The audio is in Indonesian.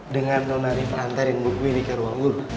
dengan nona rifah ntar yang gue beli ke ruang guru